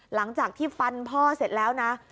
หลังจากที่ฟันพ่อเสร็จแล้วนะ